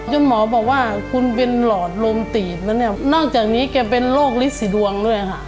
หมอบอกว่าคุณเป็นหลอดลมตีบแล้วเนี่ยนอกจากนี้แกเป็นโรคลิสีดวงด้วยค่ะ